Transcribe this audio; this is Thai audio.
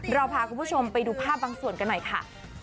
เราพาคุณผู้ชมไปดูภาพบางส่วนกันหน่อยค่ะ